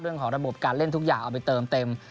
เรื่องของการเล่นทุกอย่างเอาไปเติมเต็ม